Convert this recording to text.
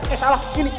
eh salah ini